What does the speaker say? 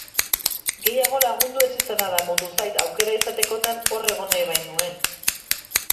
Gehiago lagundu ez izana damutu zait, aukera izatekotan hor egon nahi bainuen.